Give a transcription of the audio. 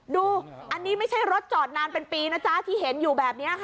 ดูอันนี้ไม่ใช่รถจอดนานเป็นปีนะจ๊ะที่เห็นอยู่แบบนี้ค่ะ